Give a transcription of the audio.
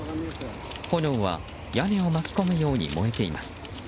炎は屋根を巻き込むように燃えています。